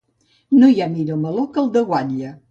No hi ha millor meló que el de guatlla.